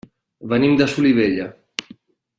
Venim de Solivella.